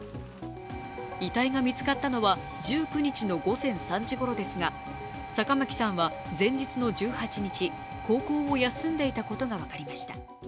遺体が見つかったのは、１９日の午前３時ごろですが坂巻さんは前日の１８日、高校を休んでいたことが分かりました。